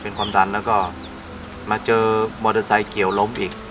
เป็นความดันแล้วก็มาเจอมอเตอร์ไซค์เกี่ยวล้มอีก